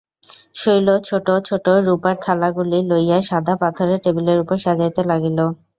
শৈল ছোটো ছোটো রুপার থালাগুলি লইয়া সাদা পাথরের টেবিলের উপর সাজাইতে লাগিল।